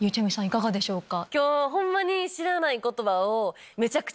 いかがでしょうか？